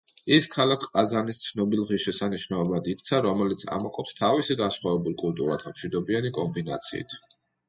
ის ქალაქ ყაზანის ცნობილ ღირშესანიშნაობად იქცა, რომელიც ამაყობს თავისი, განსხვავებულ კულტურათა, მშვიდობიანი კომბინაციით.